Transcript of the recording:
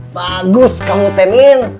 bagus kamu tenin